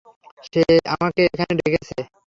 সে আমাকে এখানে ডেকেছে।